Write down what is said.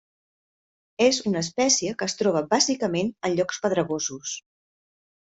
És una espècie que es troba bàsicament en llocs pedregosos.